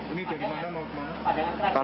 ini dari mana mau ke mana